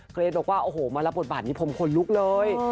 เกรทบอกว่าโอ้โหมารับบทบาทนี้ผมขนลุกเลย